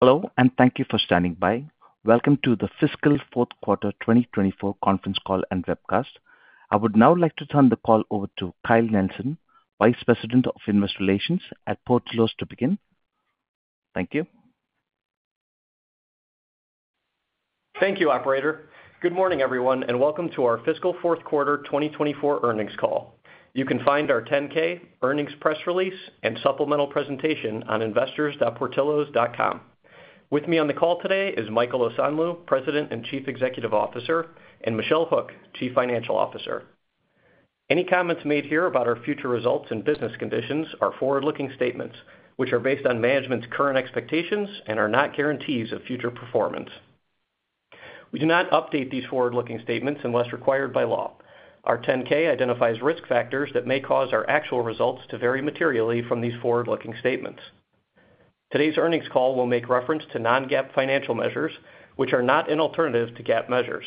Hello, and thank you for standing by. Welcome to the Fiscal Fourth Quarter 2024 Conference Call and Webcast. I would now like to turn the call over to Kyle Nelsen, Vice President of Investor Relations at Portillo's to begin. Thank you. Thank you, Operator. Good morning, everyone, and welcome to our Fiscal Fourth Quarter 2024 Earnings Call. You can find our 10-K, earnings press release, and supplemental presentation on investors.portillos.com. With me on the call today is Michael Osanloo, President and Chief Executive Officer, and Michelle Hook, Chief Financial Officer. Any comments made here about our future results and business conditions are forward-looking statements, which are based on management's current expectations and are not guarantees of future performance. We do not update these forward-looking statements unless required by law. Our 10-K identifies risk factors that may cause our actual results to vary materially from these forward-looking statements. Today's earnings call will make reference to non-GAAP financial measures, which are not an alternative to GAAP measures.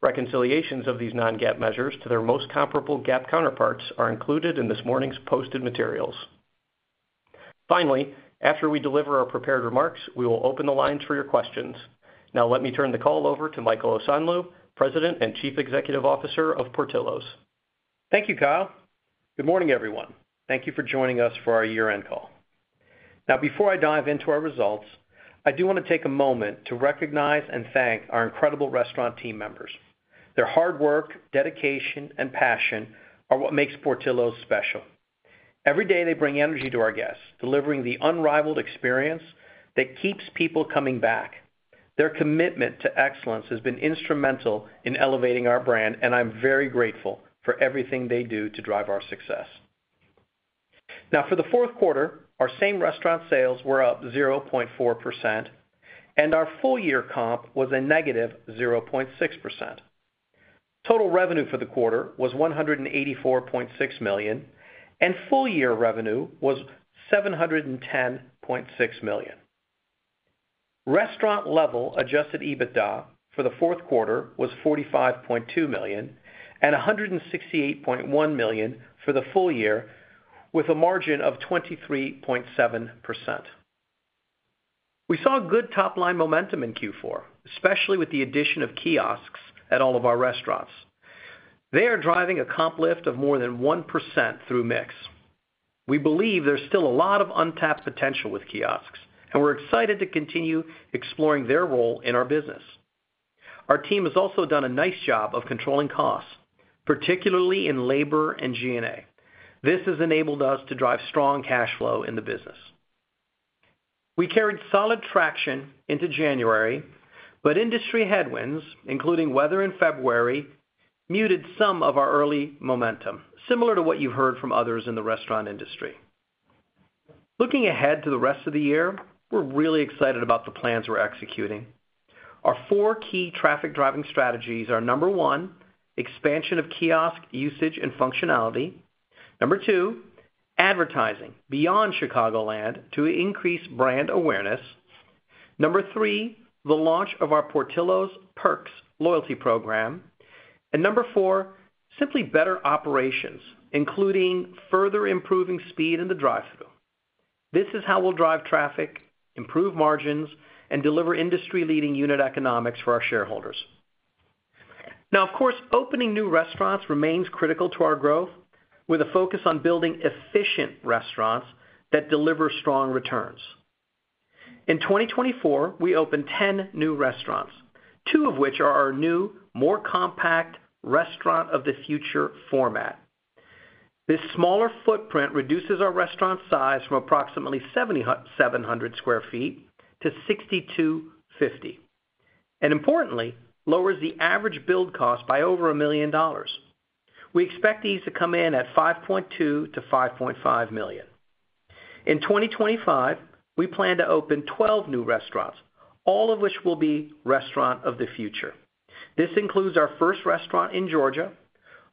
Reconciliations of these non-GAAP measures to their most comparable GAAP counterparts are included in this morning's posted materials. Finally, after we deliver our prepared remarks, we will open the lines for your questions. Now, let me turn the call over to Michael Osanloo, President and Chief Executive Officer of Portillo's. Thank you, Kyle. Good morning, everyone. Thank you for joining us for our year-end call. Now, before I dive into our results, I do want to take a moment to recognize and thank our incredible restaurant team members. Their hard work, dedication, and passion are what makes Portillo's special. Every day, they bring energy to our guests, delivering the unrivaled experience that keeps people coming back. Their commitment to excellence has been instrumental in elevating our brand, and I'm very grateful for everything they do to drive our success. Now, for the fourth quarter, our same restaurant sales were up 0.4%, and our full-year comp was a negative 0.6%. Total revenue for the quarter was $184.6 million, and full-year revenue was $710.6 million. Restaurant-level adjusted EBITDA for the fourth quarter was $45.2 million and $168.1 million for the full year, with a margin of 23.7%. We saw good top-line momentum in Q4, especially with the addition of kiosks at all of our restaurants. They are driving a comp lift of more than 1% through mix. We believe there's still a lot of untapped potential with kiosks, and we're excited to continue exploring their role in our business. Our team has also done a nice job of controlling costs, particularly in labor and G&A. This has enabled us to drive strong cash flow in the business. We carried solid traction into January, but industry headwinds, including weather in February, muted some of our early momentum, similar to what you've heard from others in the restaurant industry. Looking ahead to the rest of the year, we're really excited about the plans we're executing. Our four key traffic-driving strategies are: number one, expansion of kiosk usage and functionality, number two, advertising beyond Chicagoland to increase brand awareness, number three, the launch of our Portillo's Perks Loyalty Program, and number four, simply better operations, including further improving speed and the drive-through. This is how we'll drive traffic, improve margins, and deliver industry-leading unit economics for our shareholders. Now, of course, opening new restaurants remains critical to our growth, with a focus on building efficient restaurants that deliver strong returns. In 2024, we opened 10 new restaurants, two of which are our new, more compact Restaurant of the Future format. This smaller footprint reduces our restaurant size from approximately 7,700 sq ft to 6,250 sq ft, and importantly, lowers the average build cost by over $1 million. We expect these to come in at $5.2 million-$5.5 million. In 2025, we plan to open 12 new restaurants, all of which will be Restaurant of the Future. This includes our first restaurant in Georgia,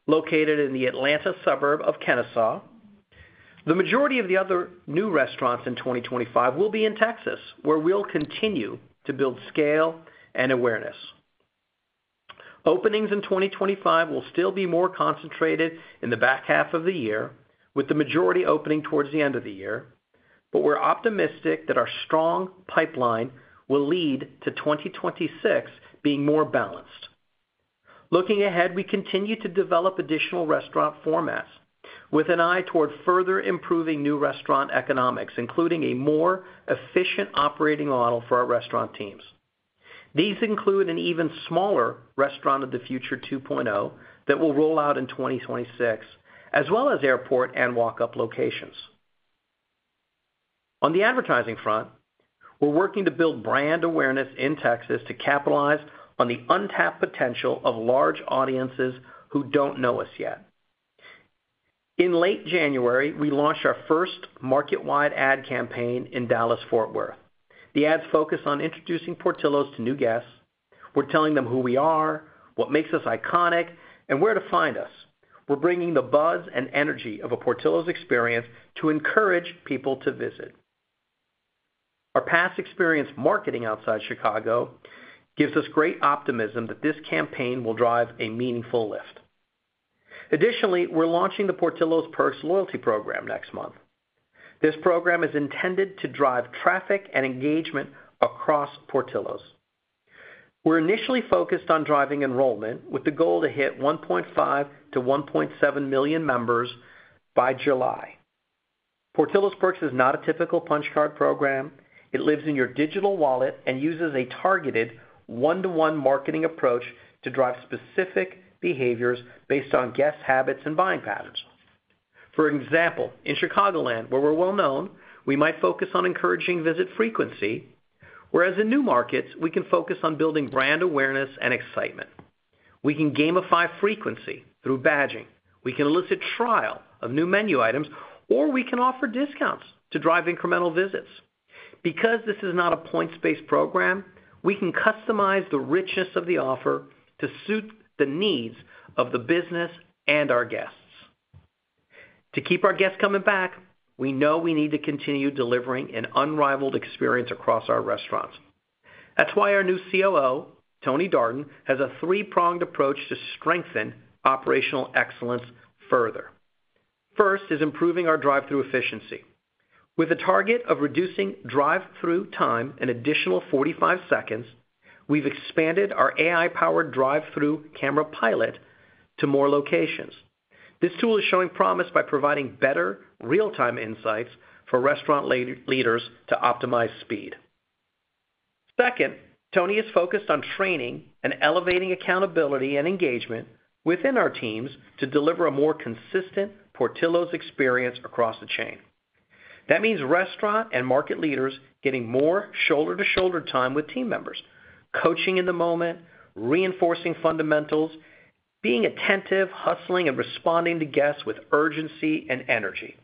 located in the Atlanta suburb of Kennesaw. The majority of the other new restaurants in 2025 will be in Texas, where we'll continue to build scale and awareness. Openings in 2025 will still be more concentrated in the back half of the year, with the majority opening towards the end of the year, but we're optimistic that our strong pipeline will lead to 2026 being more balanced. Looking ahead, we continue to develop additional restaurant formats, with an eye toward further improving new restaurant economics, including a more efficient operating model for our restaurant teams. These include an even smaller Restaurant of the Future 2.0 that will roll out in 2026, as well as airport and walk-up locations. On the advertising front, we're working to build brand awareness in Texas to capitalize on the untapped potential of large audiences who don't know us yet. In late January, we launched our first market-wide ad campaign in Dallas-Fort Worth. The ads focus on introducing Portillo's to new guests. We're telling them who we are, what makes us iconic, and where to find us. We're bringing the buzz and energy of a Portillo's experience to encourage people to visit. Our past experience marketing outside Chicago gives us great optimism that this campaign will drive a meaningful lift. Additionally, we're launching the Portillo's Perks Loyalty Program next month. This program is intended to drive traffic and engagement across Portillo's. We're initially focused on driving enrollment, with the goal to hit 1.5-1.7 million members by July. Portillo's Perks is not a typical punch card program. It lives in your digital wallet and uses a targeted one-to-one marketing approach to drive specific behaviors based on guest habits and buying patterns. For example, in Chicagoland, where we're well-known, we might focus on encouraging visit frequency, whereas in new markets, we can focus on building brand awareness and excitement. We can gamify frequency through badging. We can elicit trial of new menu items, or we can offer discounts to drive incremental visits. Because this is not a point-based program, we can customize the richness of the offer to suit the needs of the business and our guests. To keep our guests coming back, we know we need to continue delivering an unrivaled experience across our restaurants. That's why our new COO, Tony Darden, has a three-pronged approach to strengthen operational excellence further. First is improving our drive-through efficiency. With a target of reducing drive-through time an additional 45 seconds, we've expanded our AI-powered drive-through camera pilot to more locations. This tool is showing promise by providing better real-time insights for restaurant leaders to optimize speed. Second, Tony is focused on training and elevating accountability and engagement within our teams to deliver a more consistent Portillo's experience across the chain. That means restaurant and market leaders getting more shoulder-to-shoulder time with team members, coaching in the moment, reinforcing fundamentals, being attentive, hustling, and responding to guests with urgency and energy.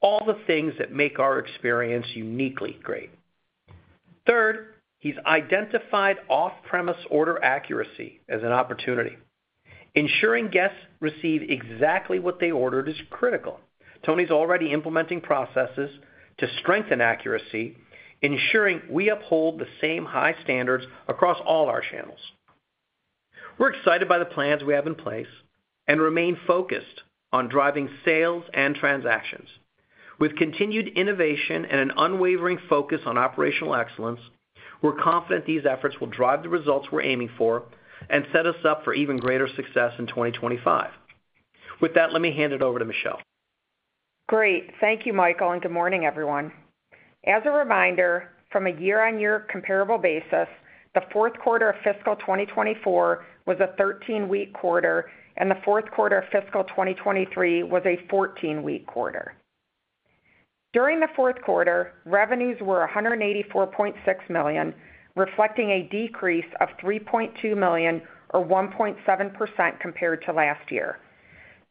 All the things that make our experience uniquely great. Third, he's identified off-premise order accuracy as an opportunity. Ensuring guests receive exactly what they ordered is critical. Tony's already implementing processes to strengthen accuracy, ensuring we uphold the same high standards across all our channels. We're excited by the plans we have in place and remain focused on driving sales and transactions. With continued innovation and an unwavering focus on operational excellence, we're confident these efforts will drive the results we're aiming for and set us up for even greater success in 2025. With that, let me hand it over to Michelle. Great. Thank you, Michael, and good morning, everyone. As a reminder, from a year-on-year comparable basis, the fourth quarter of fiscal 2024 was a 13-week quarter, and the fourth quarter of fiscal 2023 was a 14-week quarter. During the fourth quarter, revenues were $184.6 million, reflecting a decrease of $3.2 million, or 1.7% compared to last year.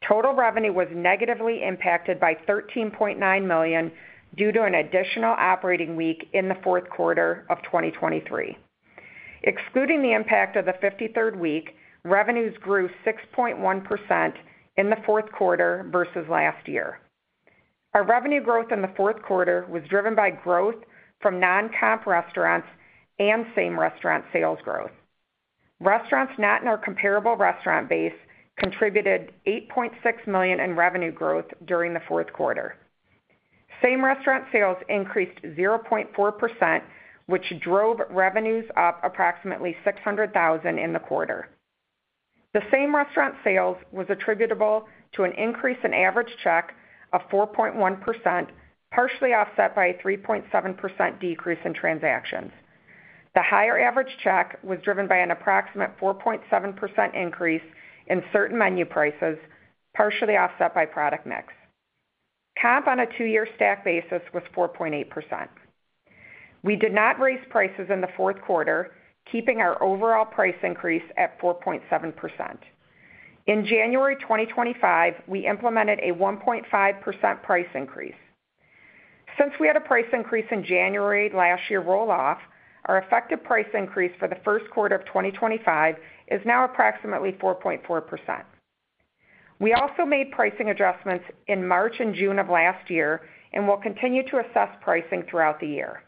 Total revenue was negatively impacted by $13.9 million due to an additional operating week in the fourth quarter of 2023. Excluding the impact of the 53rd week, revenues grew 6.1% in the fourth quarter versus last year. Our revenue growth in the fourth quarter was driven by growth from non-comp restaurants and same restaurant sales growth. Restaurants not in our comparable restaurant base contributed $8.6 million in revenue growth during the fourth quarter. Same restaurant sales increased 0.4%, which drove revenues up approximately $600,000 in the quarter. The same restaurant sales was attributable to an increase in average check of 4.1%, partially offset by a 3.7% decrease in transactions. The higher average check was driven by an approximate 4.7% increase in certain menu prices, partially offset by product mix. Comp on a two-year stack basis was 4.8%. We did not raise prices in the fourth quarter, keeping our overall price increase at 4.7%. In January 2025, we implemented a 1.5% price increase. Since we had a price increase in January last year roll-off, our effective price increase for the first quarter of 2025 is now approximately 4.4%. We also made pricing adjustments in March and June of last year and will continue to assess pricing throughout the year.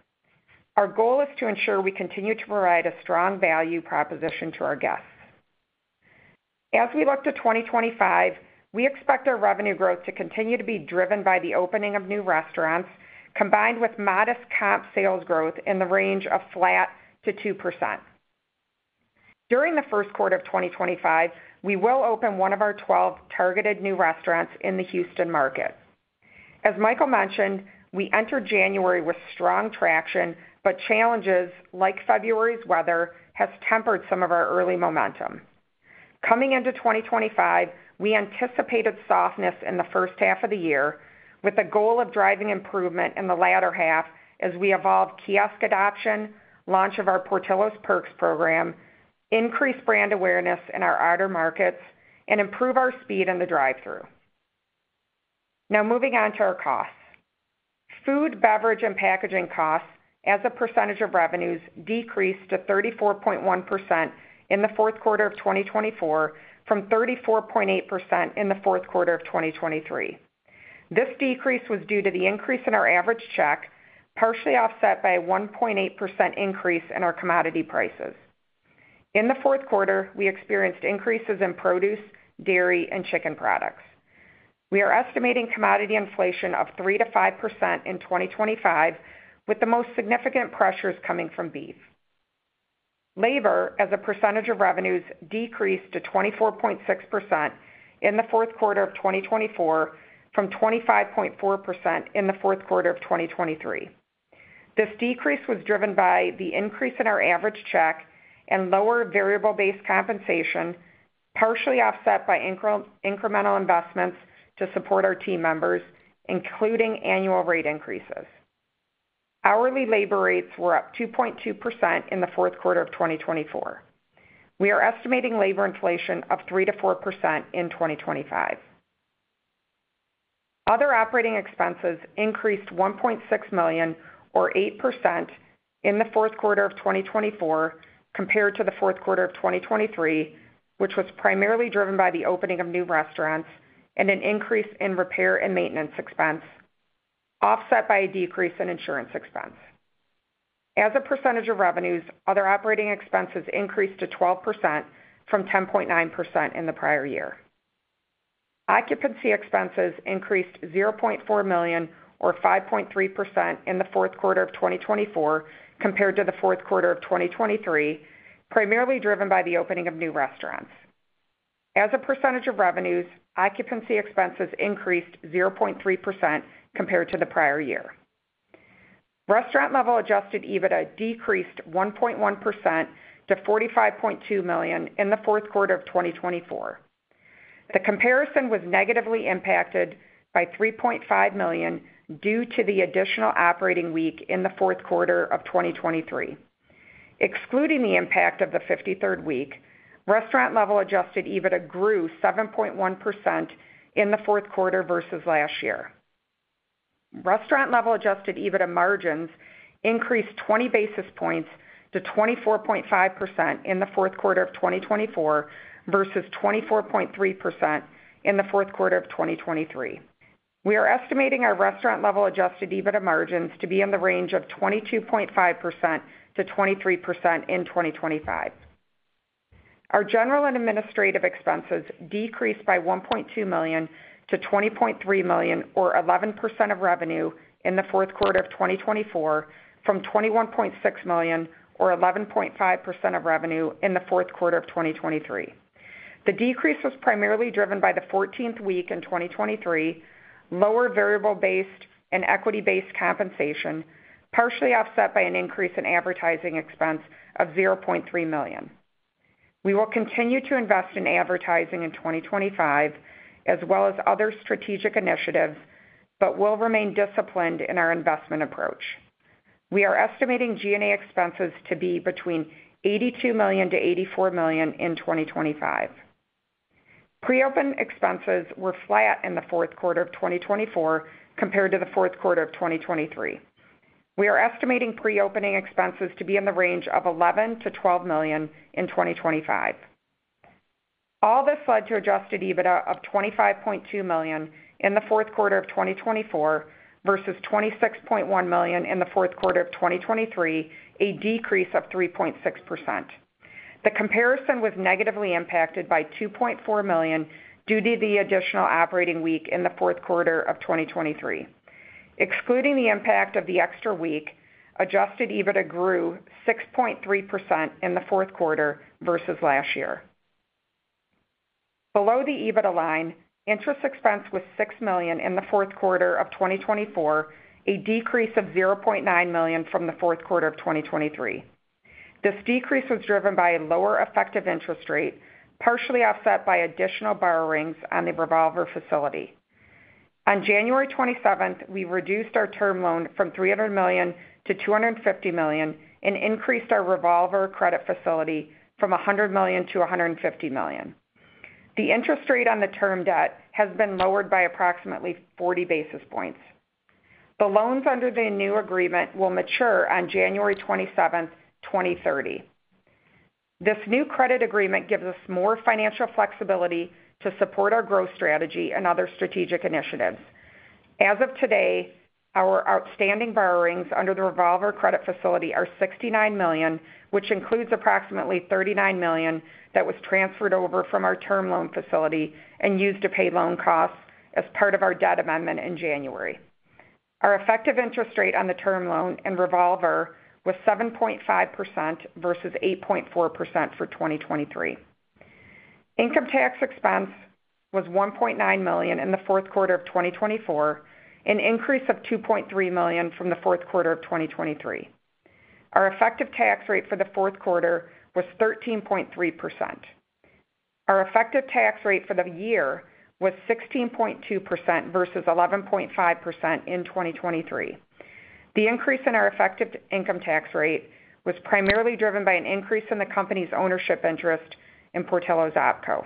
Our goal is to ensure we continue to provide a strong value proposition to our guests. As we look to 2025, we expect our revenue growth to continue to be driven by the opening of new restaurants, combined with modest comp sales growth in the range of flat to 2%. During the first quarter of 2025, we will open one of our 12 targeted new restaurants in the Houston market. As Michael mentioned, we entered January with strong traction, but challenges like February's weather have tempered some of our early momentum. Coming into 2025, we anticipated softness in the first half of the year, with the goal of driving improvement in the latter half as we evolve kiosk adoption, launch of our Portillo's Perks Program, increase brand awareness in our outer markets, and improve our speed in the drive-through. Now, moving on to our costs. Food, beverage, and packaging costs, as a percentage of revenues, decreased to 34.1% in the fourth quarter of 2024 from 34.8% in the fourth quarter of 2023. This decrease was due to the increase in our average check, partially offset by a 1.8% increase in our commodity prices. In the fourth quarter, we experienced increases in produce, dairy, and chicken products. We are estimating commodity inflation of 3-5% in 2025, with the most significant pressures coming from beef. Labor, as a percentage of revenues, decreased to 24.6% in the fourth quarter of 2024 from 25.4% in the fourth quarter of 2023. This decrease was driven by the increase in our average check and lower variable-based compensation, partially offset by incremental investments to support our team members, including annual rate increases. Hourly labor rates were up 2.2% in the fourth quarter of 2024. We are estimating labor inflation of 3%-4% in 2025. Other operating expenses increased $1.6 million, or 8%, in the fourth quarter of 2024 compared to the fourth quarter of 2023, which was primarily driven by the opening of new restaurants and an increase in repair and maintenance expense, offset by a decrease in insurance expense. As a percentage of revenues, other operating expenses increased to 12% from 10.9% in the prior year. Occupancy expenses increased $0.4 million, or 5.3%, in the fourth quarter of 2024 compared to the fourth quarter of 2023, primarily driven by the opening of new restaurants. As a percentage of revenues, occupancy expenses increased 0.3% compared to the prior year. Restaurant-level Adjusted EBITDA decreased 1.1% to $45.2 million in the fourth quarter of 2024. The comparison was negatively impacted by $3.5 million due to the additional operating week in the fourth quarter of 2023. Excluding the impact of the 53rd week, restaurant-level Adjusted EBITDA grew 7.1% in the fourth quarter versus last year. Restaurant-level Adjusted EBITDA margins increased 20 basis points to 24.5% in the fourth quarter of 2024 versus 24.3% in the fourth quarter of 2023. We are estimating our restaurant-level Adjusted EBITDA margins to be in the range of 22.5% to 23% in 2025. Our general and administrative expenses decreased by $1.2 million to $20.3 million, or 11% of revenue in the fourth quarter of 2024 from $21.6 million, or 11.5% of revenue in the fourth quarter of 2023. The decrease was primarily driven by the 14th week in 2023, lower variable-based and equity-based compensation, partially offset by an increase in advertising expense of $0.3 million. We will continue to invest in advertising in 2025, as well as other strategic initiatives, but will remain disciplined in our investment approach. We are estimating G&A expenses to be between $82 million-$84 million in 2025. Pre-opening expenses were flat in the fourth quarter of 2024 compared to the fourth quarter of 2023. We are estimating pre-opening expenses to be in the range of $11 million-$12 million in 2025. All this led to Adjusted EBITDA of $25.2 million in the fourth quarter of 2024 versus $26.1 million in the fourth quarter of 2023, a decrease of 3.6%. The comparison was negatively impacted by $2.4 million due to the additional operating week in the fourth quarter of 2023. Excluding the impact of the extra week, Adjusted EBITDA grew 6.3% in the fourth quarter versus last year. Below the EBITDA line, interest expense was $6 million in the fourth quarter of 2024, a decrease of $0.9 million from the fourth quarter of 2023. This decrease was driven by a lower effective interest rate, partially offset by additional borrowings on the revolver facility. On January 27th, we reduced our term loan from $300 million to $250 million and increased our revolver credit facility from $100 million to $150 million. The interest rate on the term debt has been lowered by approximately 40 basis points. The loans under the new agreement will mature on January 27th, 2030. This new credit agreement gives us more financial flexibility to support our growth strategy and other strategic initiatives. As of today, our outstanding borrowings under the revolver credit facility are $69 million, which includes approximately $39 million that was transferred over from our term loan facility and used to pay loan costs as part of our debt amendment in January. Our effective interest rate on the term loan and revolver was 7.5% versus 8.4% for 2023. Income tax expense was $1.9 million in the fourth quarter of 2024, an increase of $2.3 million from the fourth quarter of 2023. Our effective tax rate for the fourth quarter was 13.3%. Our effective tax rate for the year was 16.2% versus 11.5% in 2023. The increase in our effective income tax rate was primarily driven by an increase in the company's ownership interest in Portillo's OpCo.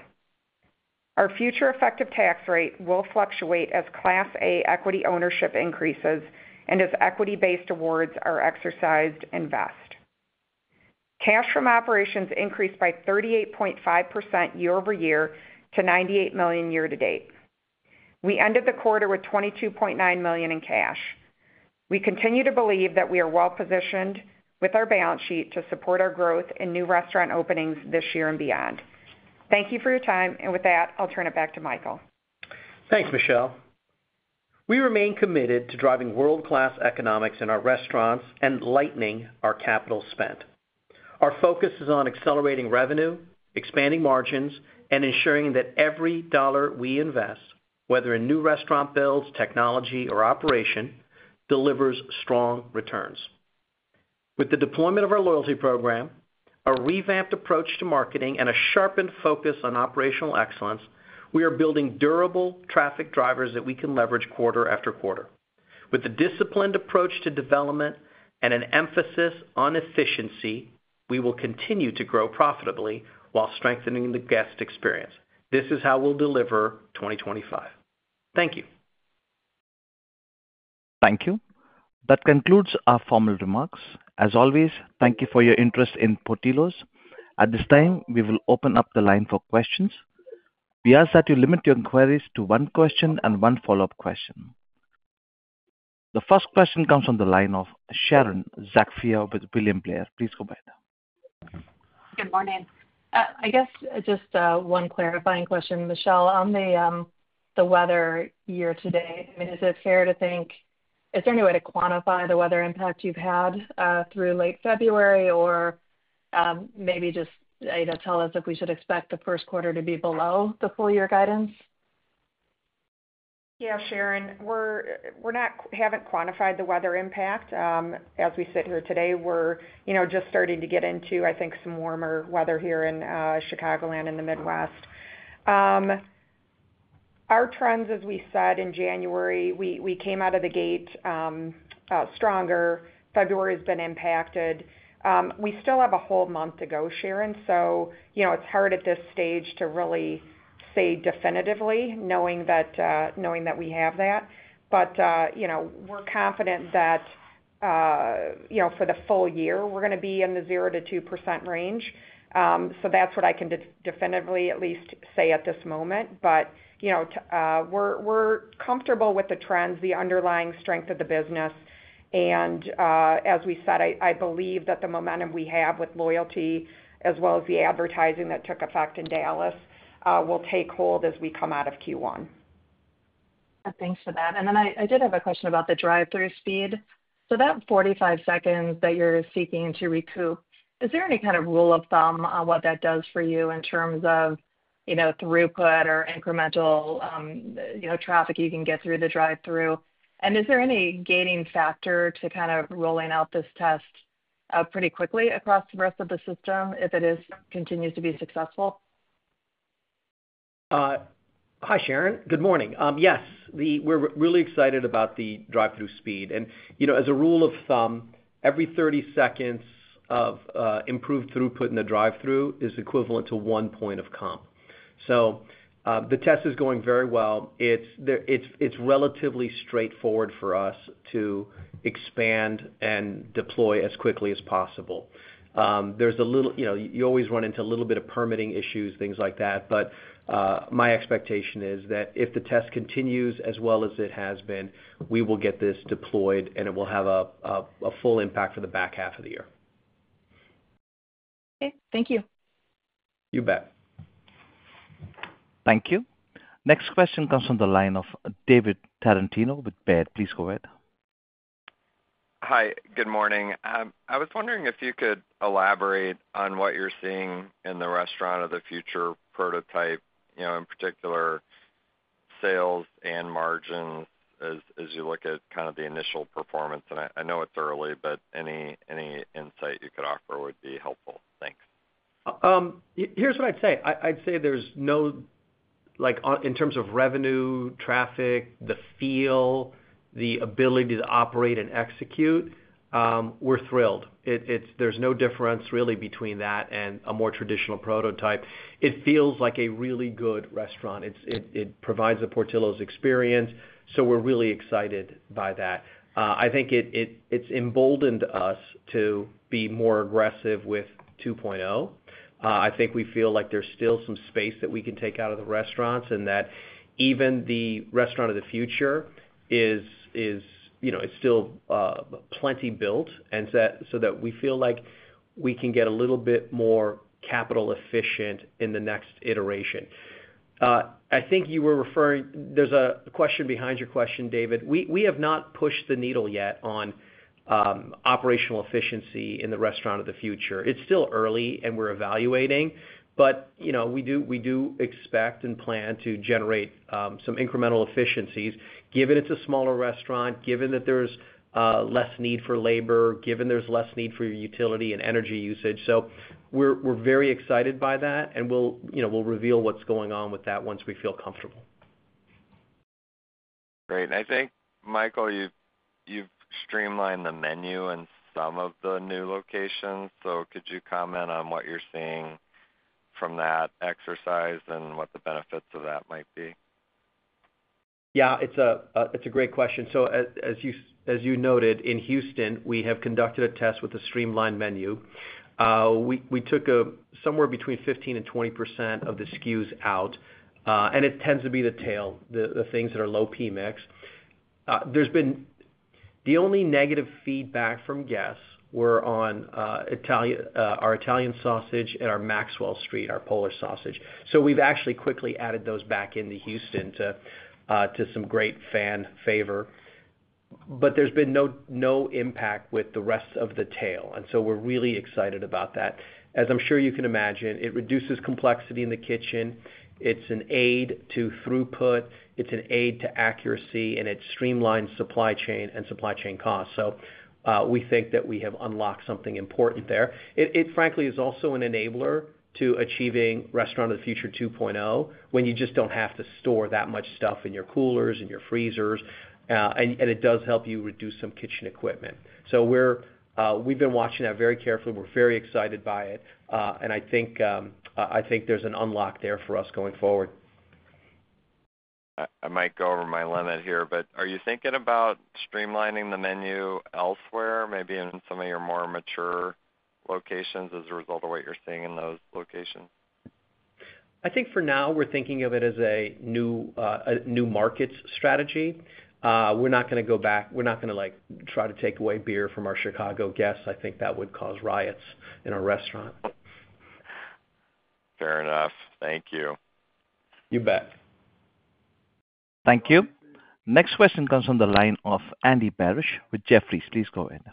Our future effective tax rate will fluctuate as Class A equity ownership increases and as equity-based awards are exercised and vest. Cash from operations increased by 38.5% year over year to $98 million year to date. We ended the quarter with $22.9 million in cash. We continue to believe that we are well-positioned with our balance sheet to support our growth and new restaurant openings this year and beyond. Thank you for your time, and with that, I'll turn it back to Michael. Thanks, Michelle. We remain committed to driving world-class economics in our restaurants and lightening our capital spent. Our focus is on accelerating revenue, expanding margins, and ensuring that every dollar we invest, whether in new restaurant builds, technology, or operation, delivers strong returns. With the deployment of our loyalty program, a revamped approach to marketing, and a sharpened focus on operational excellence, we are building durable traffic drivers that we can leverage quarter after quarter. With a disciplined approach to development and an emphasis on efficiency, we will continue to grow profitably while strengthening the guest experience. This is how we'll deliver 2025. Thank you. Thank you. That concludes our formal remarks. As always, thank you for your interest in Portillo's. At this time, we will open up the line for questions. We ask that you limit your inquiries to one question and one follow-up question. The first question comes from the line of Sharon Zackfia with William Blair. Please go ahead. Good morning. I guess just one clarifying question, Michelle. On the weather year to date, I mean, is it fair to think, is there any way to quantify the weather impact you've had through late February, or maybe just tell us if we should expect the first quarter to be below the full-year guidance? Yeah, Sharon, we haven't quantified the weather impact. As we sit here today, we're just starting to get into, I think, some warmer weather here in Chicagoland and the Midwest. Our trends, as we said in January, we came out of the gate stronger. February has been impacted. We still have a whole month to go, Sharon, so it's hard at this stage to really say definitively, knowing that we have that. But we're confident that for the full year, we're going to be in the 0%-2% range. So that's what I can definitively at least say at this moment. But we're comfortable with the trends, the underlying strength of the business. And as we said, I believe that the momentum we have with loyalty, as well as the advertising that took effect in Dallas, will take hold as we come out of Q1. Thanks for that. And then I did have a question about the drive-through speed. So that 45 seconds that you're seeking to recoup, is there any kind of rule of thumb on what that does for you in terms of throughput or incremental traffic you can get through the drive-through? And is there any gating factor to kind of rolling out this test pretty quickly across the rest of the system if it continues to be successful? Hi, Sharon. Good morning. Yes, we're really excited about the drive-through speed. And as a rule of thumb, every 30 seconds of improved throughput in the drive-through is equivalent to one point of comp. So the test is going very well. It's relatively straightforward for us to expand and deploy as quickly as possible. There's a little. You always run into a little bit of permitting issues, things like that. But my expectation is that if the test continues as well as it has been, we will get this deployed, and it will have a full impact for the back half of the year. Okay. Thank you. You bet. Thank you. Next question comes from the line of David Tarantino with Baird. Please go ahead. Hi, good morning. I was wondering if you could elaborate on what you're seeing in the Restaurant of the Future prototype, in particular, sales and margins as you look at kind of the initial performance. And I know it's early, but any insight you could offer would be helpful. Thanks. Here's what I'd say. I'd say there's no, in terms of revenue, traffic, the feel, the ability to operate and execute, we're thrilled. There's no difference really between that and a more traditional prototype. It feels like a really good restaurant. It provides a Portillo's experience. So we're really excited by that. I think it's emboldened us to be more aggressive with 2.0. I think we feel like there's still some space that we can take out of the restaurants and that even the restaurant of the future is still plenty built so that we feel like we can get a little bit more capital efficient in the next iteration. I think you were referring. There's a question behind your question, David. We have not pushed the needle yet on operational efficiency in the restaurant of the future. It's still early, and we're evaluating. But we do expect and plan to generate some incremental efficiencies, given it's a smaller restaurant, given that there's less need for labor, given there's less need for utility and energy usage. So we're very excited by that, and we'll reveal what's going on with that once we feel comfortable. Great. I think, Michael, you've streamlined the menu in some of the new locations. So could you comment on what you're seeing from that exercise and what the benefits of that might be? Yeah, it's a great question. So as you noted, in Houston, we have conducted a test with a streamlined menu. We took somewhere between 15%-20% of the SKUs out, and it tends to be the tail, the things that are low P mix. The only negative feedback from guests were on our Italian sausage and our Maxwell Street, our Polish sausage. So we've actually quickly added those back into Houston to some great fanfare. But there's been no impact with the rest of the tail. And so we're really excited about that. As I'm sure you can imagine, it reduces complexity in the kitchen. It's an aid to throughput. It's an aid to accuracy, and it streamlines supply chain and supply chain costs. So we think that we have unlocked something important there. It, frankly, is also an enabler to achieving Restaurant of the Future 2.0 when you just don't have to store that much stuff in your coolers and your freezers. And it does help you reduce some kitchen equipment. So we've been watching that very carefully. We're very excited by it. And I think there's an unlock there for us going forward. I might go over my limit here, but are you thinking about streamlining the menu elsewhere, maybe in some of your more mature locations as a result of what you're seeing in those locations? I think for now, we're thinking of it as a new market strategy. We're not going to go back. We're not going to try to take away beer from our Chicago guests. I think that would cause riots in our restaurant. Fair enough. Thank you. You bet. Thank you. Next question comes from the line of Andy Barish with Jefferies. Please go ahead.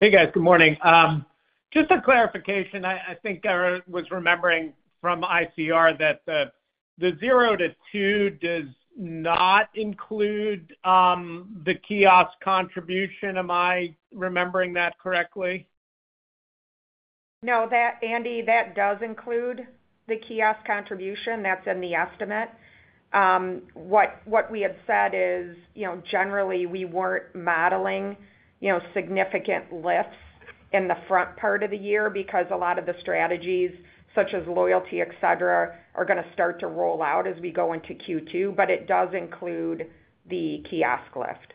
Hey, guys. Good morning. Just a clarification. I think I was remembering from ICR that the 0 to 2 does not include the kiosk contribution. Am I remembering that correctly? No, Andy, that does include the kiosk contribution. That's in the estimate. What we had said is, generally, we weren't modeling significant lifts in the front part of the year because a lot of the strategies, such as loyalty, etc., are going to start to roll out as we go into Q2. But it does include the kiosk lift.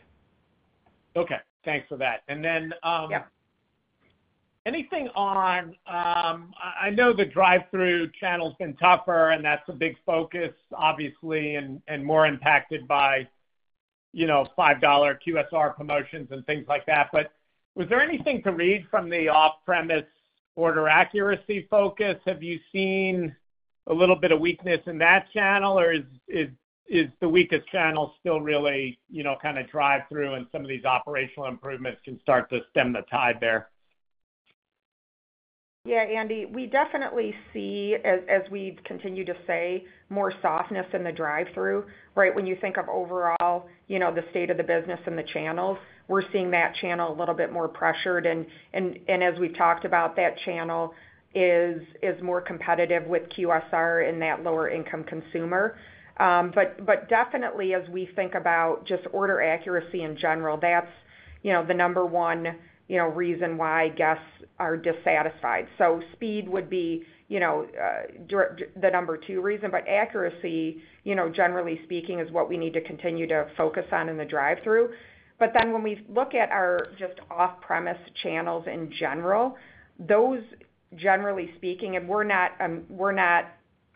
Okay. Thanks for that. And then anything on, I know the drive-through channel has been tougher, and that's a big focus, obviously, and more impacted by $5 QSR promotions and things like that. But was there anything to read from the off-premise order accuracy focus? Have you seen a little bit of weakness in that channel, or is the weakest channel still really kind of drive-through, and some of these operational improvements can start to stem the tide there? Yeah, Andy. We definitely see, as we continue to say, more softness in the drive-through. Right? When you think of overall the state of the business and the channels, we're seeing that channel a little bit more pressured. And as we've talked about, that channel is more competitive with QSR in that lower-income consumer. But definitely, as we think about just order accuracy in general, that's the number one reason why guests are dissatisfied. So speed would be the number two reason. But accuracy, generally speaking, is what we need to continue to focus on in the drive-through. But then when we look at our just off-premise channels in general, those, generally speaking, and we're not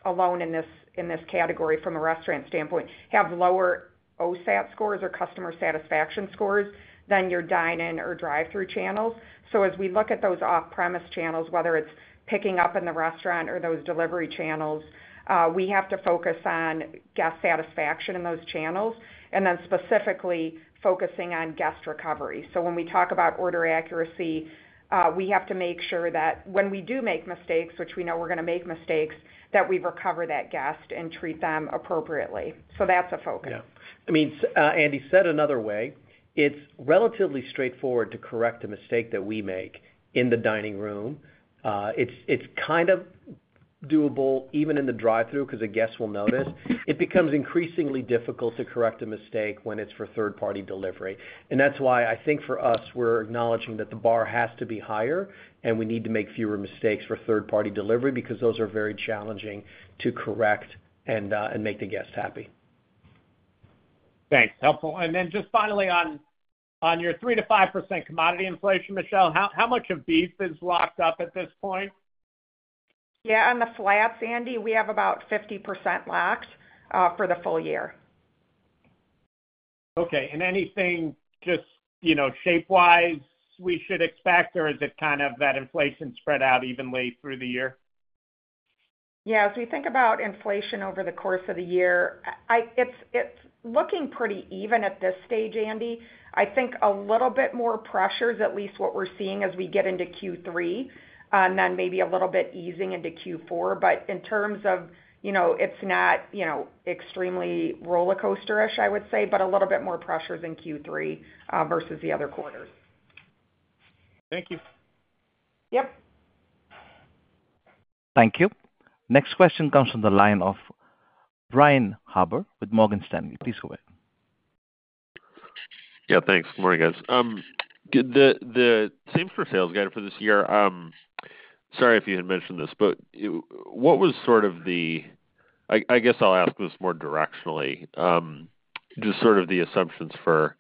alone in this category from a restaurant standpoint, have lower OSAT scores or customer satisfaction scores than your dine-in or drive-through channels. So as we look at those off-premise channels, whether it's picking up in the restaurant or those delivery channels, we have to focus on guest satisfaction in those channels and then specifically focusing on guest recovery. So when we talk about order accuracy, we have to make sure that when we do make mistakes, which we know we're going to make mistakes, that we recover that guest and treat them appropriately. So that's a focus. Yeah. I mean, Andy said another way, it's relatively straightforward to correct a mistake that we make in the dining room. It's kind of doable even in the drive-through because a guest will notice. It becomes increasingly difficult to correct a mistake when it's for third-party delivery. And that's why I think for us, we're acknowledging that the bar has to be higher, and we need to make fewer mistakes for third-party delivery because those are very challenging to correct and make the guest happy. Thanks. Helpful. And then just finally, on your 3%-5% commodity inflation, Michelle, how much of beef is locked up at this point? Yeah. On the flats, Andrew, we have about 50% locked for the full year. Okay. And anything just shape-wise we should expect, or is it kind of that inflation spread out evenly through the year? Yeah. As we think about inflation over the course of the year, it's looking pretty even at this stage, Andy. I think a little bit more pressure is at least what we're seeing as we get into Q3 and then maybe a little bit easing into Q4. But in terms of, it's not extremely rollercoaster-ish, I would say, but a little bit more pressures in Q3 versus the other quarters. Thank you. Yep. Thank you. Next question comes from the line of Brian Harbour with Morgan Stanley. Please go ahead. Yeah. Thanks. Morning, guys. The same-store sales guide for this year. Sorry if you had mentioned this, but what was sort of the, I guess I'll ask this more directionally, just sort of the assumptions for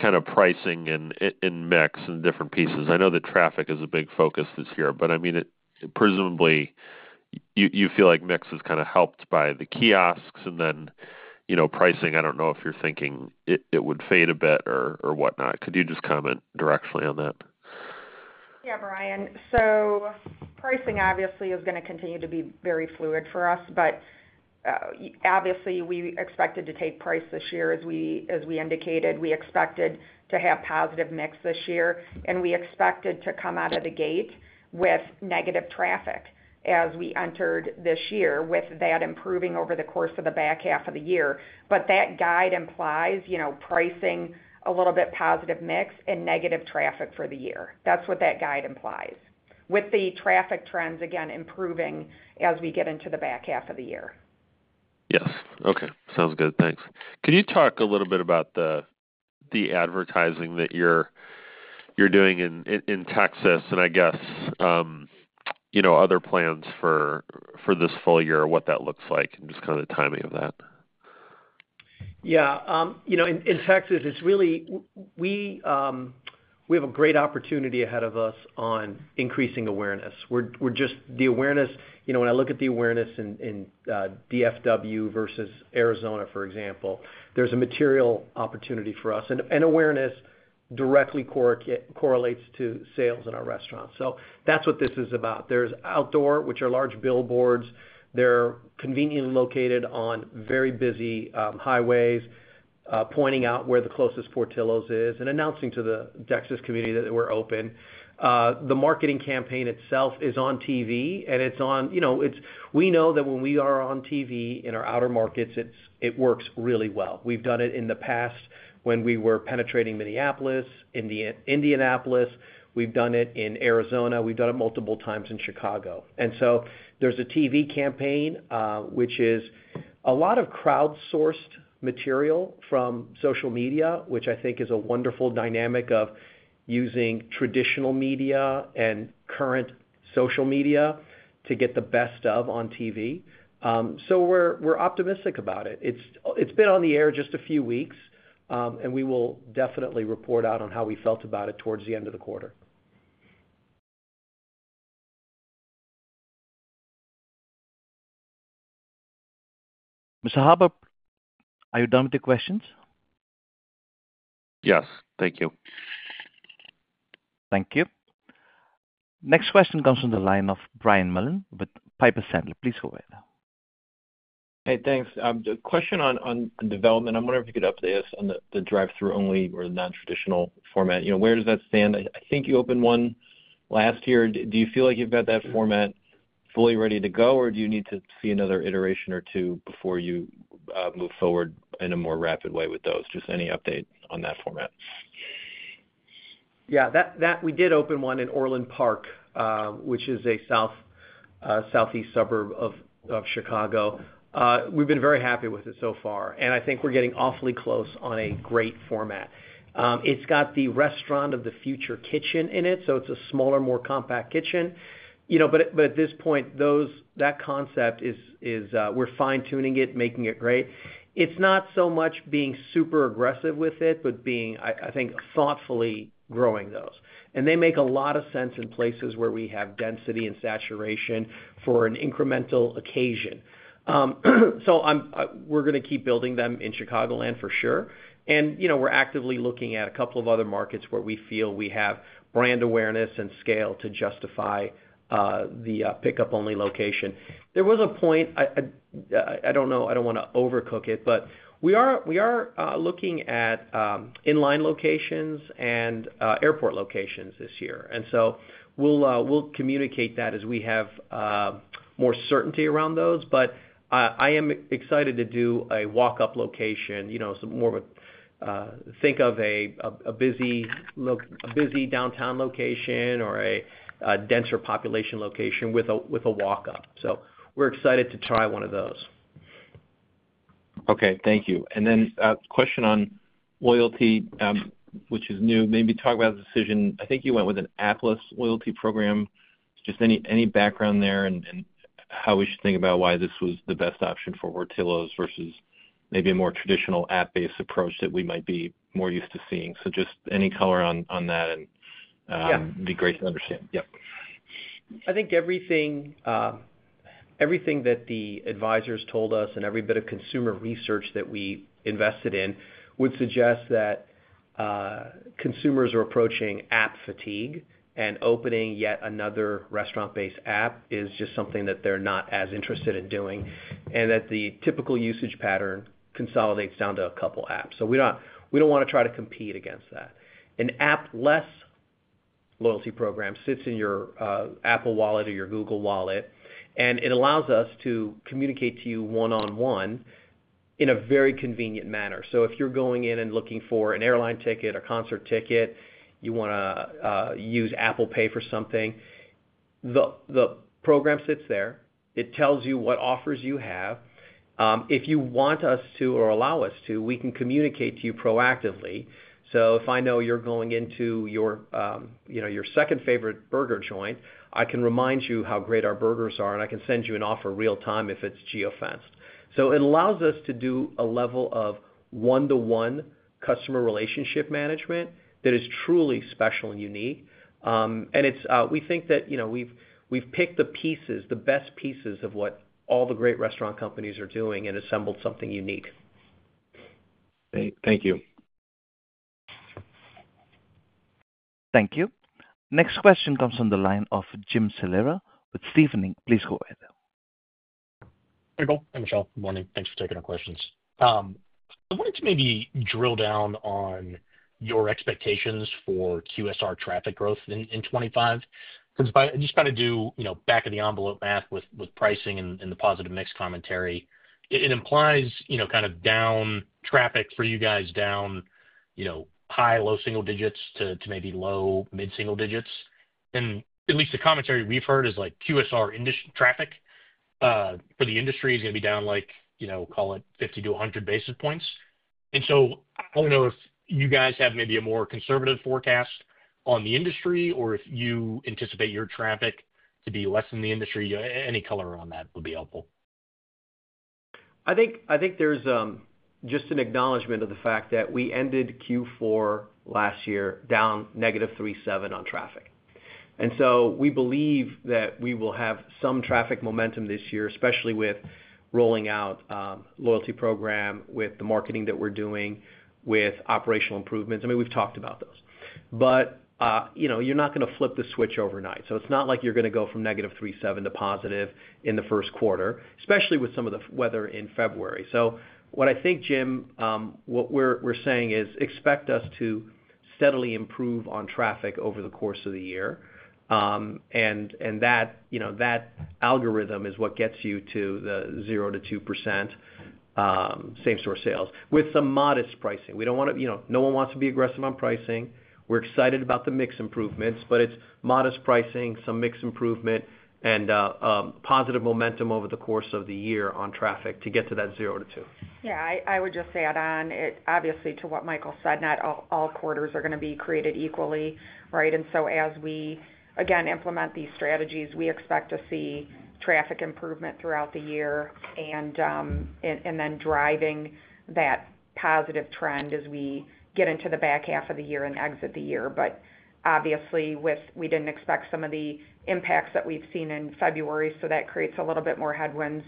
kind of pricing and mix and different pieces. I know that traffic is a big focus this year, but I mean, presumably, you feel like mix has kind of helped by the kiosks. And then pricing, I don't know if you're thinking it would fade a bit or whatnot. Could you just comment directionally on that? Yeah, Brian. So pricing, obviously, is going to continue to be very fluid for us. But obviously, we expected to take price this year, as we indicated. We expected to have positive mix this year, and we expected to come out of the gate with negative traffic as we entered this year, with that improving over the course of the back half of the year. But that guide implies pricing, a little bit positive mix, and negative traffic for the year. That's what that guide implies, with the traffic trends, again, improving as we get into the back half of the year. Yes. Okay. Sounds good. Thanks. Can you talk a little bit about the advertising that you're doing in Texas and, I guess, other plans for this full year, what that looks like, and just kind of the timing of that? Yeah. In Texas, it's really, we have a great opportunity ahead of us on increasing awareness. The awareness, when I look at the awareness in DFW versus Arizona, for example, there's a material opportunity for us. And awareness directly correlates to sales in our restaurants. So that's what this is about. There's outdoor, which are large billboards. They're conveniently located on very busy highways, pointing out where the closest Portillo's is and announcing to the Texas community that we're open. The marketing campaign itself is on TV, and it's on, we know that when we are on TV in our outer markets, it works really well. We've done it in the past when we were penetrating Minneapolis, Indianapolis. We've done it in Arizona. We've done it multiple times in Chicago. And so there's a TV campaign, which is a lot of crowd-sourced material from social media, which I think is a wonderful dynamic of using traditional media and current social media to get the best of both on TV. So we're optimistic about it. It's been on the air just a few weeks, and we will definitely report out on how we felt about it towards the end of the quarter. Mr. Harbour, are you done with the questions? Yes. Thank you. Thank you. Next question comes from the line of Brian Mullan with Piper Sandler. Please go ahead. Hey, thanks. The question on development, I'm wondering if you could update us on the drive-through only or the non-traditional format. Where does that stand? I think you opened one last year. Do you feel like you've got that format fully ready to go, or do you need to see another iteration or two before you move forward in a more rapid way with those? Just any update on that format? Yeah. We did open one in Orland Park, which is a southeast suburb of Chicago. We've been very happy with it so far. And I think we're getting awfully close on a great format. It's got the restaurant of the future kitchen in it, so it's a smaller, more compact kitchen. But at this point, that concept is. We're fine-tuning it, making it great. It's not so much being super aggressive with it, but being, I think, thoughtfully growing those. And they make a lot of sense in places where we have density and saturation for an incremental occasion. So we're going to keep building them in Chicagoland for sure. And we're actively looking at a couple of other markets where we feel we have brand awareness and scale to justify the pickup-only location. There was a point. I don't know. I don't want to overcook it, but we are looking at in-line locations and airport locations this year, and so we'll communicate that as we have more certainty around those, but I am excited to do a walk-up location, more of a, think of a busy downtown location or a denser population location with a walk-up, so we're excited to try one of those. Okay. Thank you. And then a question on loyalty, which is new. Maybe talk about the decision. I think you went with an app-less loyalty program. Just any background there and how we should think about why this was the best option for Portillo's versus maybe a more traditional app-based approach that we might be more used to seeing. So just any color on that, and it'd be great to understand. Yep. I think everything that the advisors told us and every bit of consumer research that we invested in would suggest that consumers are approaching app fatigue, and opening yet another restaurant-based app is just something that they're not as interested in doing and that the typical usage pattern consolidates down to a couple of apps. So we don't want to try to compete against that. An app-less loyalty program sits in your Apple Wallet or your Google Wallet, and it allows us to communicate to you one-on-one in a very convenient manner. So if you're going in and looking for an airline ticket, a concert ticket, you want to use Apple Pay for something, the program sits there. It tells you what offers you have. If you want us to or allow us to, we can communicate to you proactively. So if I know you're going into your second favorite burger joint, I can remind you how great our burgers are, and I can send you an offer real-time if it's geofenced. So it allows us to do a level of one-to-one customer relationship management that is truly special and unique. And we think that we've picked the pieces, the best pieces of what all the great restaurant companies are doing and assembled something unique. Thank you. Thank you. Next question comes from the line of Jim Salera with Stephens Inc. Please go ahead. Hey, Michelle. Good morning. Thanks for taking our questions. I wanted to maybe drill down on your expectations for QSR traffic growth in 2025 because I just kind of do back-of-the-envelope math with pricing and the positive mix commentary. It implies kind of down traffic for you guys down high, low single digits to maybe low, mid-single digits. And at least the commentary we've heard is QSR traffic for the industry is going to be down, call it, 50 to 100 basis points. And so I don't know if you guys have maybe a more conservative forecast on the industry or if you anticipate your traffic to be less than the industry. Any color on that would be helpful. I think there's just an acknowledgment of the fact that we ended Q4 last year down -3.7% on traffic. And so we believe that we will have some traffic momentum this year, especially with rolling out loyalty program, with the marketing that we're doing, with operational improvements. I mean, we've talked about those. But you're not going to flip the switch overnight. So it's not like you're going to go from -3.7% to positive in the first quarter, especially with some of the weather in February. So what I think, Jim, what we're saying is expect us to steadily improve on traffic over the course of the year. And that algorithm is what gets you to the 0%-2% same-store sales with some modest pricing. We don't want to, no one wants to be aggressive on pricing. We're excited about the mix improvements, but it's modest pricing, some mix improvement, and positive momentum over the course of the year on traffic to get to that 0-2. Yeah. I would just add on, obviously, to what Michael said, not all quarters are going to be created equally, right? And so as we, again, implement these strategies, we expect to see traffic improvement throughout the year and then driving that positive trend as we get into the back half of the year and exit the year. But obviously, we didn't expect some of the impacts that we've seen in February. So that creates a little bit more headwinds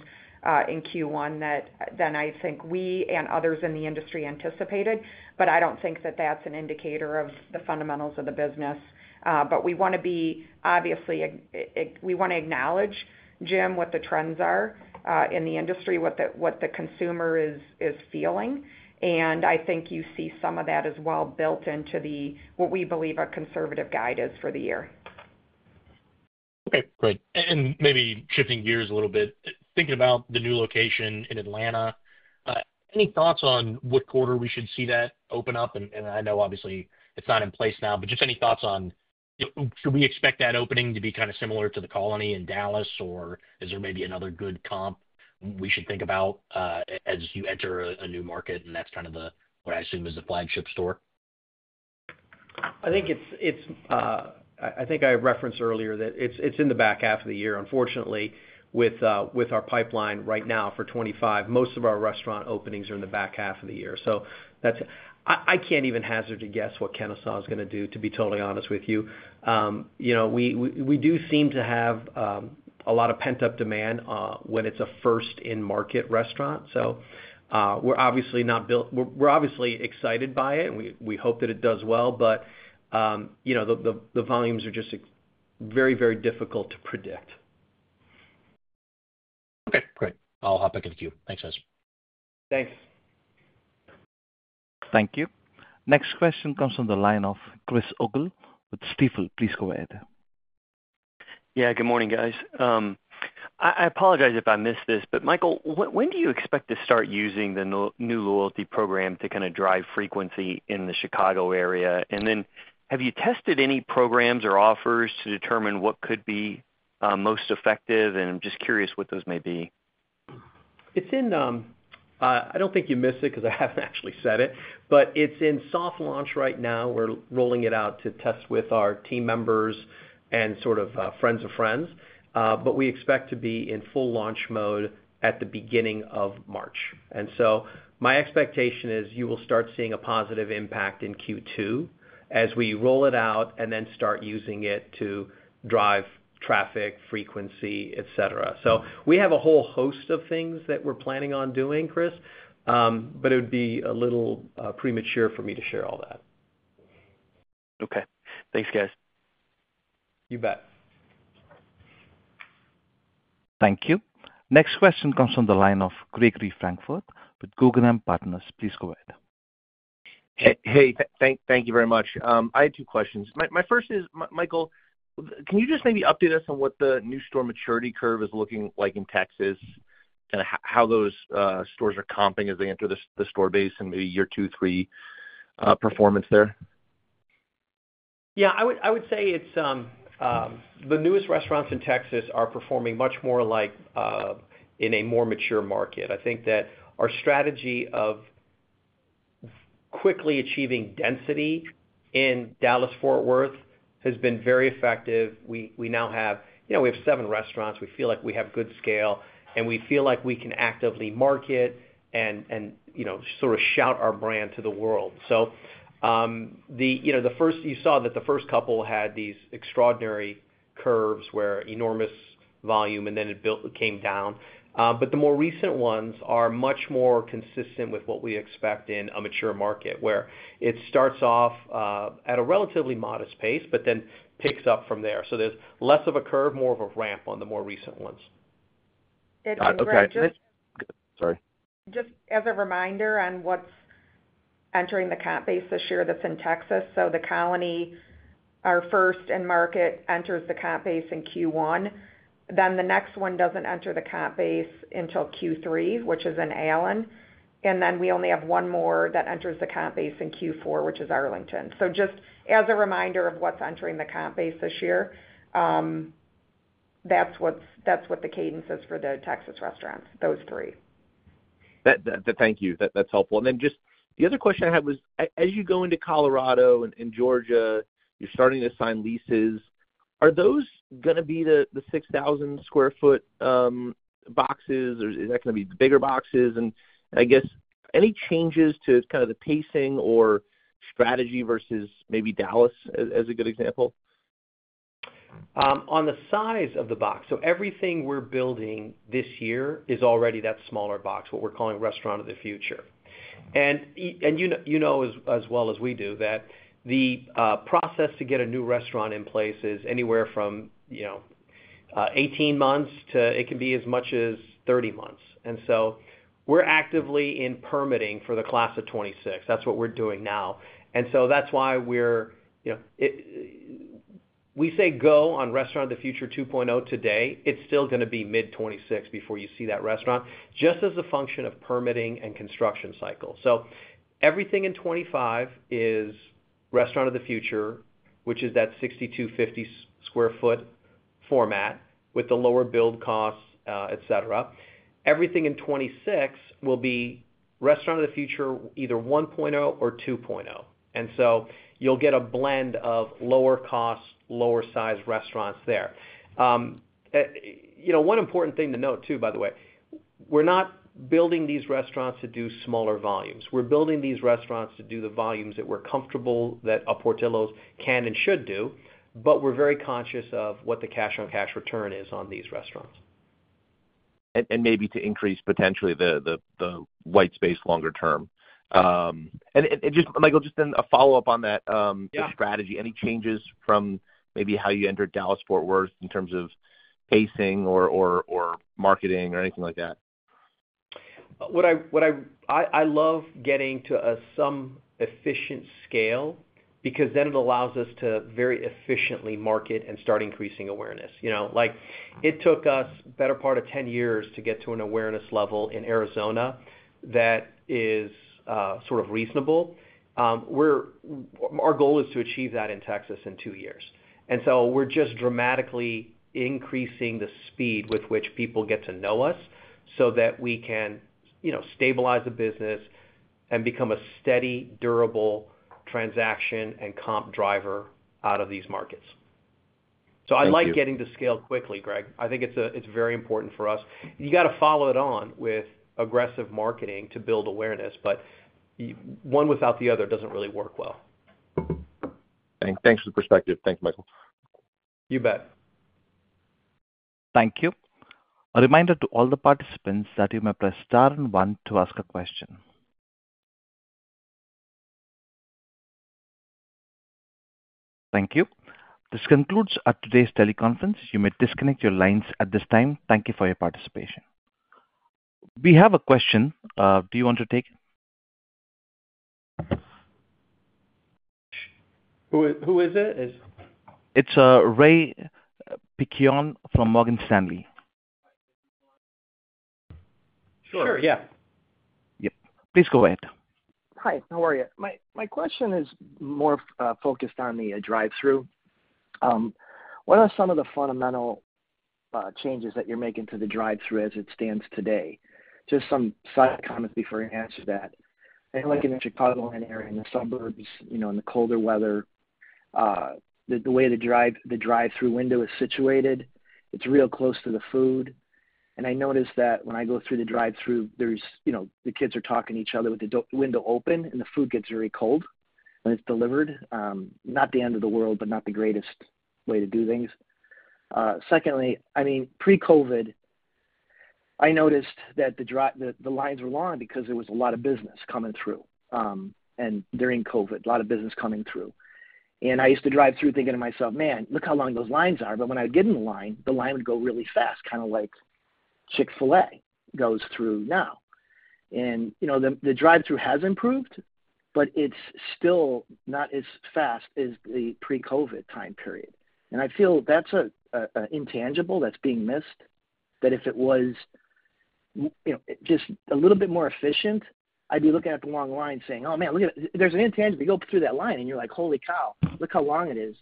in Q1 than I think we and others in the industry anticipated. But I don't think that that's an indicator of the fundamentals of the business. But we want to be, obviously, we want to acknowledge, Jim, what the trends are in the industry, what the consumer is feeling. And I think you see some of that as well built into what we believe a conservative guide is for the year. Okay. Great. And maybe shifting gears a little bit, thinking about the new location in Atlanta, any thoughts on what quarter we should see that open up? And I know, obviously, it's not in place now, but just any thoughts on should we expect that opening to be kind of similar to The Colony in Dallas, or is there maybe another good comp we should think about as you enter a new market? And that's kind of what I assume is the flagship store. I think it's. I think I referenced earlier that it's in the back half of the year. Unfortunately, with our pipeline right now for 2025, most of our restaurant openings are in the back half of the year. So I can't even hazard a guess what comp sales are going to do, to be totally honest with you. We do seem to have a lot of pent-up demand when it's a first-in-market restaurant. So we're obviously not built. We're obviously excited by it, and we hope that it does well. But the volumes are just very, very difficult to predict. Okay. Great. I'll hop back into Q. Thanks, guys. Thanks. Thank you. Next question comes from the line of Chris O'Cull with Stifel. Please go ahead. Yeah. Good morning, guys. I apologize if I missed this, but Michael, when do you expect to start using the new loyalty program to kind of drive frequency in the Chicago area? And then have you tested any programs or offers to determine what could be most effective? And I'm just curious what those may be. I don't think you missed it because I haven't actually said it, but it's in soft launch right now. We're rolling it out to test with our team members and sort of friends of friends. But we expect to be in full launch mode at the beginning of March. And so my expectation is you will start seeing a positive impact in Q2 as we roll it out and then start using it to drive traffic, frequency, etc. So we have a whole host of things that we're planning on doing, Chris, but it would be a little premature for me to share all that. Okay. Thanks, guys. You bet. Thank you. Next question comes from the line of Gregory Francfort with Guggenheim Partners. Please go ahead. Hey. Thank you very much. I had two questions. My first is, Michael, can you just maybe update us on what the new store maturity curve is looking like in Texas and how those stores are comping as they enter the store base and maybe year two, three performance there? Yeah. I would say the newest restaurants in Texas are performing much more like in a more mature market. I think that our strategy of quickly achieving density in Dallas-Fort Worth has been very effective. We now have—we have seven restaurants. We feel like we have good scale, and we feel like we can actively market and sort of shout our brand to the world. You saw that the first couple had these extraordinary curves where enormous volume, and then it came down. The more recent ones are much more consistent with what we expect in a mature market where it starts off at a relatively modest pace, but then picks up from there. There's less of a curve, more of a ramp on the more recent ones. Sorry. Just as a reminder on what's entering the comp base this year that's in Texas. So the Colony, our first-in-market, enters the comp base in Q1. Then the next one doesn't enter the comp base until Q3, which is in Allen. And then we only have one more that enters the comp base in Q4, which is Arlington. So just as a reminder of what's entering the comp base this year, that's what the cadence is for the Texas restaurants, those three. Thank you. That's helpful, and then just the other question I had was, as you go into Colorado and Georgia, you're starting to sign leases. Are those going to be the 6,000 sq ft boxes, or is that going to be the bigger boxes, and I guess any changes to kind of the pacing or strategy versus maybe Dallas as a good example? On the size of the box, so everything we're building this year is already that smaller box, what we're calling Restaurant of the Future. And you know as well as we do that the process to get a new restaurant in place is anywhere from 18 months to it can be as much as 30 months. And so we're actively in permitting for the class of 2026. That's what we're doing now. And so that's why we say go on Restaurant of the Future 2.0 today. It's still going to be mid-2026 before you see that restaurant, just as a function of permitting and construction cycle. So everything in 2025 is Restaurant of the Future, which is that 6,250 sq ft format with the lower build costs, etc. Everything in 2026 will be Restaurant of the Future, either 1.0 or 2.0. So you'll get a blend of lower-cost, lower-size restaurants there. One important thing to note too, by the way, we're not building these restaurants to do smaller volumes. We're building these restaurants to do the volumes that we're comfortable that our Portillo's can and should do, but we're very conscious of what the cash-on-cash return is on these restaurants. And maybe to increase potentially the white space longer term. And Michael, just a follow-up on that strategy. Any changes from maybe how you entered Dallas, Fort Worth in terms of pacing or marketing or anything like that? I love getting to some efficient scale because then it allows us to very efficiently market and start increasing awareness. It took us the better part of 10 years to get to an awareness level in Arizona that is sort of reasonable. Our goal is to achieve that in Texas in two years. And so we're just dramatically increasing the speed with which people get to know us so that we can stabilize the business and become a steady, durable transaction and comp driver out of these markets. So I like getting to scale quickly, Greg. I think it's very important for us. You got to follow it on with aggressive marketing to build awareness, but one without the other doesn't really work well. Thanks for the perspective. Thanks, Michael. You bet. Thank you. A reminder to all the participants that you may press star and one to ask a question. Thank you. This concludes today's teleconference. You may disconnect your lines at this time. Thank you for your participation. We have a question. Do you want to take? Who is it? It's Ray Piccione from Morgan Stanley. Sure. Yeah. Yep. Please go ahead. Hi. How are you? My question is more focused on the drive-through. What are some of the fundamental changes that you're making to the drive-through as it stands today? Just some side comments before I answer that. I like it in the Chicagoland area, in the suburbs, in the colder weather. The way the drive-through window is situated, it's real close to the food. And I noticed that when I go through the drive-through, the kids are talking to each other with the window open, and the food gets very cold when it's delivered. Not the end of the world, but not the greatest way to do things. Secondly, I mean, pre-COVID, I noticed that the lines were long because there was a lot of business coming through. And during COVID, a lot of business coming through. I used to drive through thinking to myself, "Man, look how long those lines are." But when I get in the line, the line would go really fast, kind of like Chick-fil-A goes through now. And the drive-through has improved, but it's still not as fast as the pre-COVID time period. And I feel that's an intangible that's being missed, that if it was just a little bit more efficient, I'd be looking at the long line saying, "Oh, man, look at it." There's an intangible. You go through that line, and you're like, "Holy cow, look how long it is."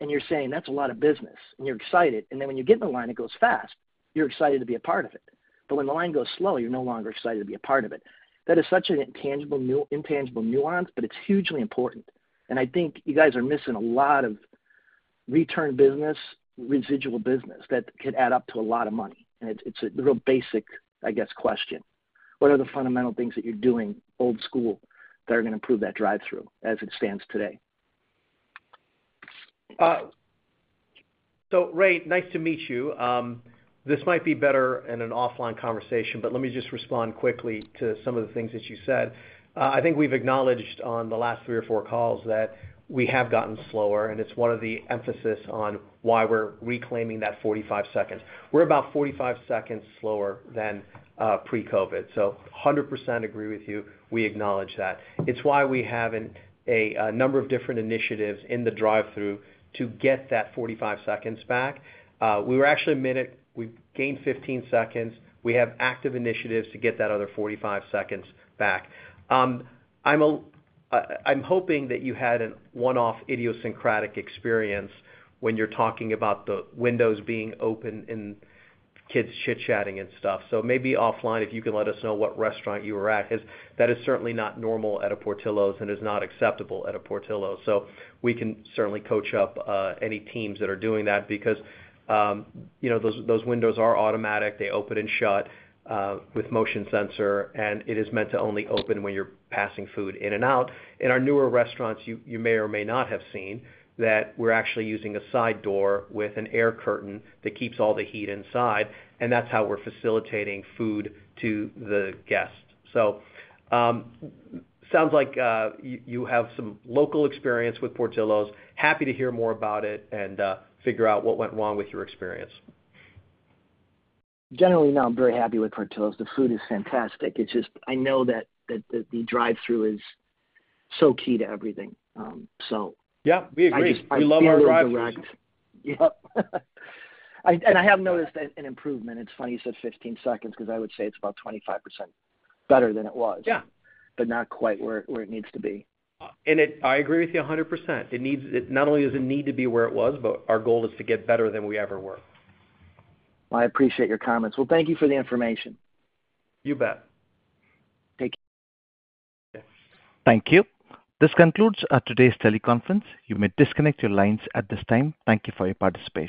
And you're saying, "That's a lot of business." And you're excited. And then when you get in the line, it goes fast. You're excited to be a part of it. But when the line goes slow, you're no longer excited to be a part of it. That is such an intangible nuance, but it's hugely important. And I think you guys are missing a lot of return business, residual business that could add up to a lot of money. And it's a real basic, I guess, question. What are the fundamental things that you're doing old school that are going to improve that drive-through as it stands today? So, Ray, nice to meet you. This might be better in an offline conversation, but let me just respond quickly to some of the things that you said. I think we've acknowledged on the last three or four calls that we have gotten slower, and it's one of the emphasis on why we're reclaiming that 45 seconds. We're about 45 seconds slower than pre-COVID. So 100% agree with you. We acknowledge that. It's why we have a number of different initiatives in the drive-through to get that 45 seconds back. We were actually at it. We gained 15 seconds. We have active initiatives to get that other 30 seconds back. I'm hoping that you had a one-off idiosyncratic experience when you're talking about the windows being open and kids chit-chatting and stuff. So maybe offline, if you can let us know what restaurant you were at. That is certainly not normal at a Portillo's and is not acceptable at a Portillo's. So we can certainly coach up any teams that are doing that because those windows are automatic. They open and shut with motion sensor, and it is meant to only open when you're passing food in and out. In our newer restaurants, you may or may not have seen that we're actually using a side door with an air curtain that keeps all the heat inside, and that's how we're facilitating food to the guests. So sounds like you have some local experience with Portillo's. Happy to hear more about it and figure out what went wrong with your experience. Generally, no, I'm very happy with Portillo's. The food is fantastic. It's just I know that the drive-through is so key to everything, so. Yeah. We agree. We love our drive-through. Yep, and I have noticed an improvement. It's funny you said 15 seconds because I would say it's about 25% better than it was, but not quite where it needs to be. I agree with you 100%. Not only does it need to be where it was, but our goal is to get better than we ever were. I appreciate your comments. Well, thank you for the information. You bet. Take care. Thank you. This concludes today's teleconference. You may disconnect your lines at this time. Thank you for your participation.